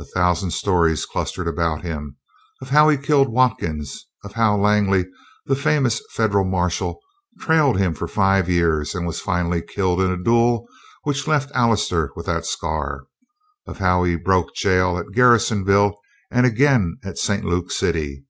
A thousand stories clustered about him: of how he killed Watkins; of how Langley, the famous Federal marshal, trailed him for five years and was finally killed in the duel which left Allister with that scar; of how he broke jail at Garrisonville and again at St. Luke City.